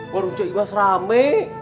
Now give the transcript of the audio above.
warung cek imas rame